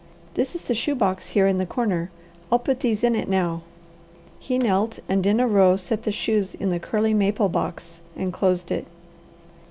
This is the shoe box here in the corner; I'll put these in it now." He knelt and in a row set the shoes in the curly maple box and closed it.